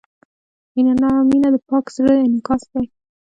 • مینه د پاک زړۀ انعکاس دی.